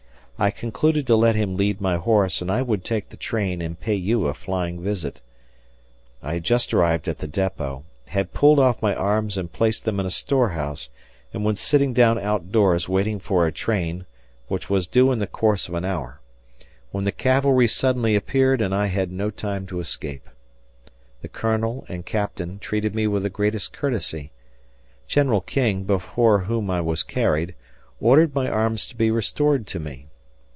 I concluded to let him lead my horse and I would take the train and pay you a flying visit. I had just arrived at the depot, had pulled off my arms and placed them in a storehouse and was sitting down outdoors waiting for a train, which was due in the course of an hour, when the cavalry suddenly appeared and I had no time to escape. The Colonel and Captain treated me with the greatest courtesy. General King, before whom I was carried, ordered my arms to be restored to me.